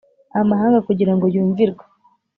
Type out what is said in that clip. amahanga kugira ngo yumvirwe